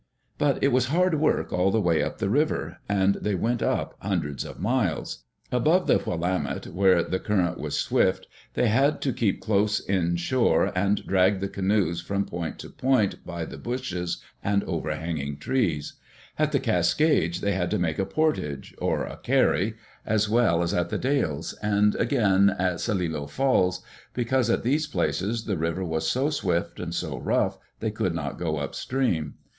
But it was hard work all the way up the river, and they went up hundreds of miles. Above the Willamette, where the current was swift, they had to keep close in shore and Digitized by VjOOQ IC EARLY DAYS IN OLD OREGON drag the canoes from point to point by the bushes and overhanging trees. At the Cascades they had to make a portage — or a "carry" — as well as at The Dalles, and again at Celilo Falls, because at these places the river was so swift and so rough they could not go upstream.